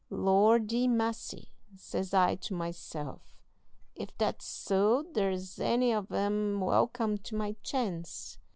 'Lordy massy,' says I to myself, 'ef that's so they're any of 'em welcome to my chance.'